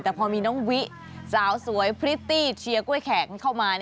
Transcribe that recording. แต่พอมีน้องวิสาวสวยพริตตี้เชียร์กล้วยแข็งเข้ามา